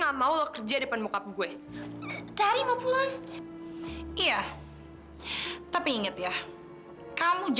gak mungkin omas berbuat begitu